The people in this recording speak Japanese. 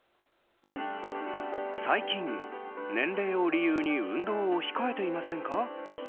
最近、年齢を理由に運動を控えていませんか？